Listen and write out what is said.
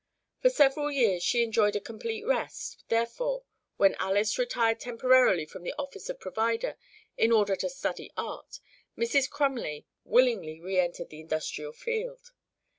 For several years she enjoyed a complete rest; therefore, when Alys retired temporarily from the office of provider in order to study art, Mrs. Crumley willingly re entered the industrial field.